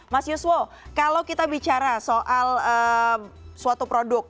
mas yuswo kalau kita bicara soal suatu produk